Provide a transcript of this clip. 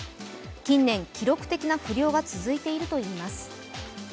近年、記録的な不漁が続いているといいます。